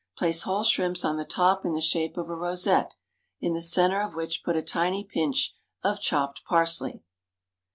Place whole shrimps on the top in the shape of a rosette, in the centre of which put a tiny pinch of chopped parsley.